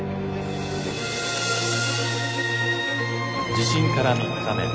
「地震から３日目。